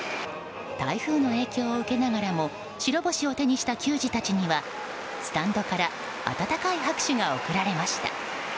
台風の影響を受けながらも白星を手にした球児たちにはスタンドから温かい拍手が送られました。